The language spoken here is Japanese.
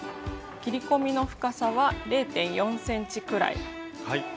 切り込みの深さは０．４ｃｍくらい。